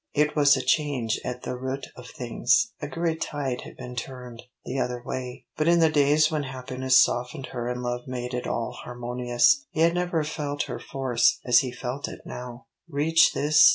It was a change at the root of things. A great tide had been turned the other way. But in the days when happiness softened her and love made it all harmonious he had never felt her force as he felt it now. Reach this?